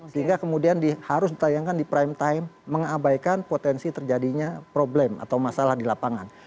sehingga kemudian harus ditayangkan di prime time mengabaikan potensi terjadinya problem atau masalah di lapangan